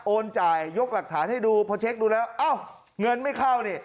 จ่ายยกหลักฐานให้ดูพอเช็คดูแล้วอ้าวเงินไม่เข้านี่